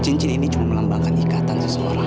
cincin ini cuma melambangkan ikatan seseorang